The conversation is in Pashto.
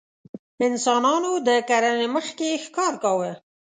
انسانانو د کرنې مخکې ښکار کاوه.